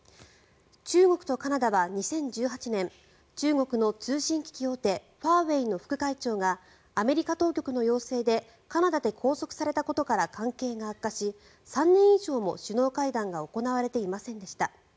中国とカナダは２０１８年中国の通信機器大手ファーウェイの副会長がアメリカ当局の要請でカナダで拘束されたことから関係が悪化し３年以上も首脳会談が行われていませんでした。